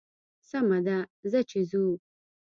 سمه ده ځه چې ځو.